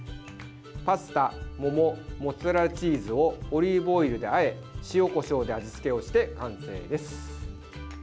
パスタ、桃モッツァレラチーズをオリーブオイルであえ塩、こしょうで味付けをして完成です。